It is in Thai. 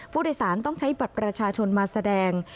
ผู้โดยสารต้องใช้บัตรประชาชนมาแสดง